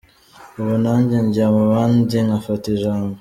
Ubu nanjye njya mu bandi ngafata ijambo”.